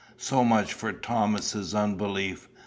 So much for Thomas's unbelief.